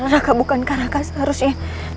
raka bukankah raka seharusnya